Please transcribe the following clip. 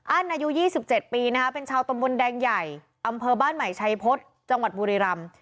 อายุ๒๗ปีนะคะเป็นชาวตำบลแดงใหญ่อำเภอบ้านใหม่ชัยพฤษจังหวัดบุรีรำ